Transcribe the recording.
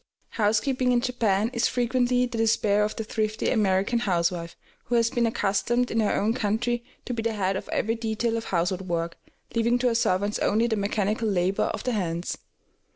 Housekeeping in Japan is frequently the despair of the thrifty American housewife, who has been accustomed in her own country to be the head of every detail of household work, leaving to her servants only the mechanical labor of the hands.